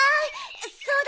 そうだ！